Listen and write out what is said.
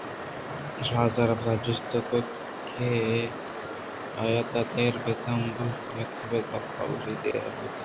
شوازر پدا جست کُت آ تا دیر ءَ پہ تہمبل یکے ءِ گپاں گوش داراں بوت